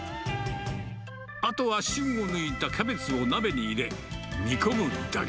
あとを芯を抜いたキャベツを鍋に入れ、煮込むだけ。